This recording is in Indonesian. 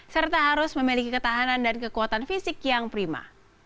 serta harus memiliki ketahanan dan kekuatan fisik yang prima